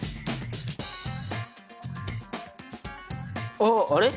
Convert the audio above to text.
あっあれ？